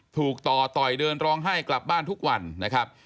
ถูกต่อต่อยเดินร้องไห้กลับบ้านทุกวันนะครับ